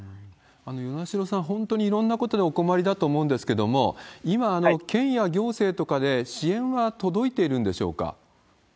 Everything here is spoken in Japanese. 与那城さん、本当にいろんなことでお困りだと思うんですけど、今、県や行政とかで支援は届いてるんでしょうか。